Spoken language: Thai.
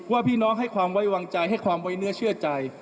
ว่าพี่น้องให้ความไว้วางใจให้ความไว้เนื้อเชื่อใจ